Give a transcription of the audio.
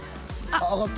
上がった。